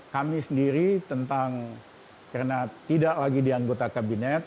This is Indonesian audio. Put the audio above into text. kami sendiri tentang karena tidak lagi di anggota kabinet